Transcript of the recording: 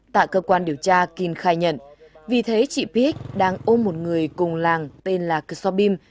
tại cơ quan điều tra kinh khai nhận vì thế chị pich đang ôm một người cùng làng tên là ksobim